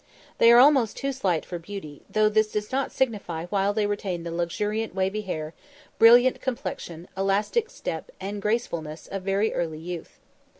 They are almost too slight for beauty, though this does not signify while they retain the luxuriant wavy hair, brilliant complexion, elastic step, and gracefulness of very early youth.